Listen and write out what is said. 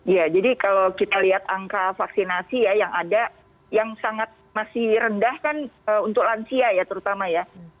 ya jadi kalau kita lihat angka vaksinasi ya yang ada yang sangat masih rendah kan untuk lansia ya terutama ya